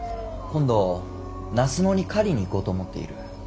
今度那須野に狩りに行こうと思っている。